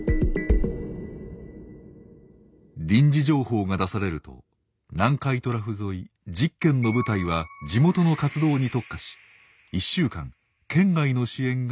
臨時情報が出されると南海トラフ沿い１０県の部隊は地元の活動に特化し１週間県外の支援ができなくなります。